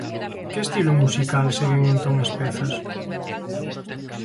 Que estilo musical seguen entón as pezas?